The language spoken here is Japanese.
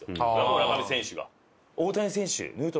村上選手が。